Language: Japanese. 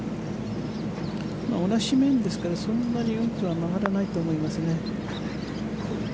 同じ面ですからそんなに、うんとは曲がらないと思いますね。